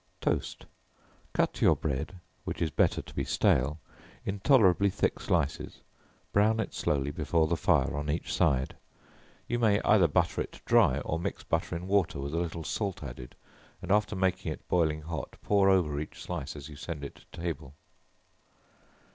Toast. Cut your bread (which is better to be stale) in tolerably thick slices, brown it slowly before the fire on each side; you may either butter it dry, or mix butter in water, with a little salt added, and after making it boiling hot, pour over each slice as you send it to table.